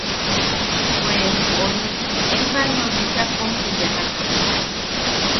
–Bwe... ori... Empalmeu bicha kom te yajak.